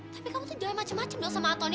tapi kamu tuh jalan macem macem dong sama antony